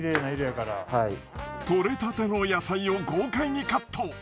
採れたての野菜を豪快にカット。